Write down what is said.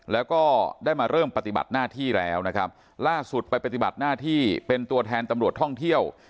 แล้วก็ได้มาเริ่มปฏิบัติหน้าที่แล้วนะครับล่าสุดไปปฏิบัติหน้าที่เป็นตัวแทนตำรวจท่องเที่ยว